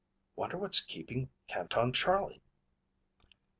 "Wonder what's keeping Canton Charlie?"